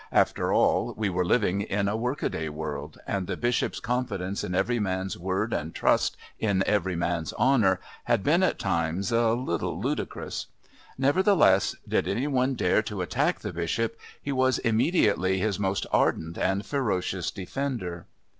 After all, we were living in a workaday world, and the Bishop's confidence in every man's word and trust in every man's honour had been at times a little ludicrous. Nevertheless, did any one dare to attack the Bishop, he was immediately his most ardent and ferocious defender.